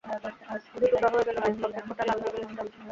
দুই টুকরা হয়ে গেল ব্যাট, রক্তের ফোঁটায় লাল হয়ে গেল স্টাম্প।